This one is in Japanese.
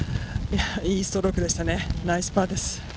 いいストロークでしたね、ナイスパーです。